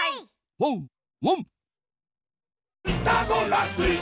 ワンワン！